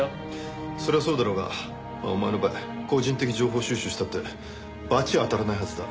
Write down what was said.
そりゃそうだろうがお前の場合個人的に情報収集したって罰は当たらないはずだ。